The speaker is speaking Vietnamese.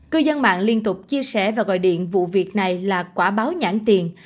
cư dân mạng liên tục chia sẻ và gọi điện vụ việc này là quả báo nhãn tiền